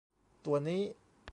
ตัวนี้